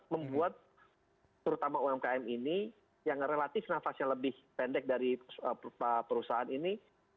membuat terutama umkm ini yang relatif nafasnya lebih pendek dari perusahaan ini